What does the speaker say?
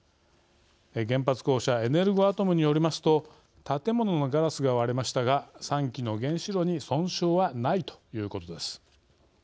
原発公社エネルゴアトムによりますと建物のガラスが割れましたが３基の原子炉に損傷はないということです。